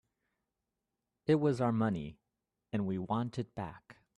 It was our money and we want it back.